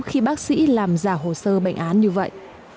khi bác sĩ làm giả hồ sơ bệnh án như vậy